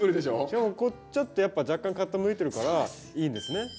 しかもこうちょっとやっぱ若干傾いてるからいいんですね。